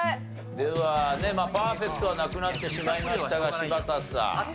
ではまあパーフェクトはなくなってしまいましたが柴田さん。